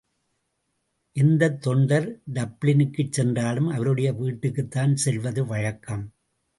எந்தத் தொண்டர் டப்ளினுக்குச் சென்றாலும் அவருடைய வீட்டுக்குத்தான் செல்வது வழக்கம்.